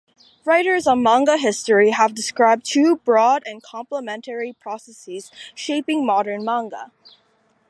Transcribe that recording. Writers on manga history have described two broad and complementary processes shaping modern manga.